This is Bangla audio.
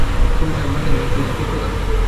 খুড়াসাহেব মাথা নাড়িয়া কহিলেন, ঠিক কথা।